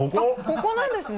ここなんですね？